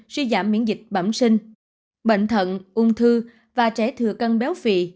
suy giảm miễn dịch bẩm sinh bệnh thận ung thư và trẻ thừa cân béo phì